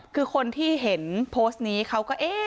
คือคนที่เห็นโพสต์นี้เขาก็เอ๊ะ